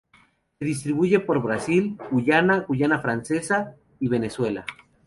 Se distribuye por Brasil, Guyana, Guyana Francesa y Venezuela.